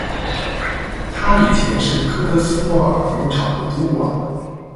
她以前是科特斯莫尔农场的主管。